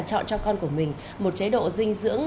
chọn cho con của mình một chế độ dinh dưỡng